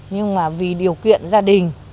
nhưng mà vì điều kiện gia đình